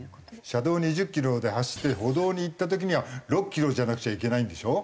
車道２０キロで走って歩道に行った時には６キロじゃなくちゃいけないんでしょ？